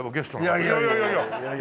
いやいやいやいやいや。